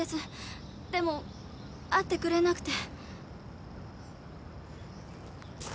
でも会ってくれなくて。